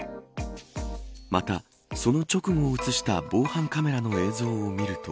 また、その直後を映した防犯カメラの映像を見ると